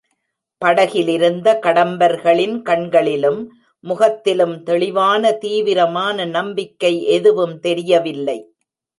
படகிலிருந்த கடம்பர்களின் கண்களிலும், முகத்திலும் தெளிவான தீவிரமான நம்பிக்கை எதுவும் தெரியவில்லை.